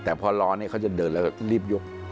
แต่พอรอนี่เขาจะเดินแล้วก็รีบยก